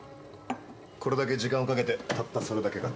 「これだけ時間をかけてたったそれだけか」